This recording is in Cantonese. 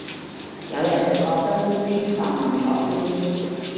有人就覺得啲黐飯淋咗啲